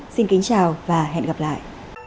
xin kính chào và hẹn gặp lại